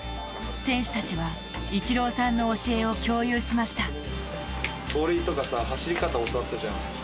選手たちはイチローさんの教えを共有しました。